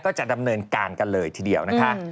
ก็จะดำเนินการกันเลยทีเดียวนะคะ